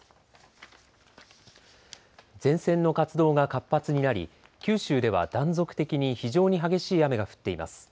前線の活動が活発になり九州では断続的に非常に激しい雨が降っています。